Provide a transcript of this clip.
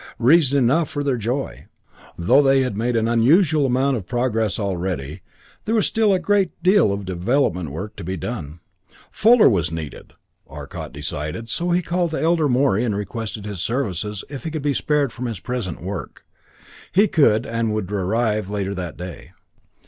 Reason enough for their joy. Though they had made an unusual amount of progress already, there was still a great deal of development work to be done. Fuller was needed, Arcot decided, so he called the elder Morey and requested his services if he could be spared from his present work. He could, and would arrive later that day.